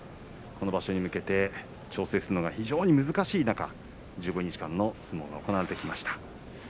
この場所に向けて調整するのは非常に難しい中１５日間の相撲が行われました。